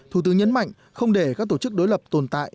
thủ tướng nhấn mạnh không để các tổ chức đối lập tồn tại